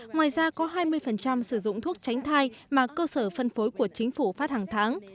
ngoài ra có hai mươi sử dụng thuốc tránh thai mà cơ sở phân phối của chính phủ phát hàng tháng